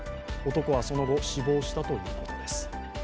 男はその後、死亡したということです。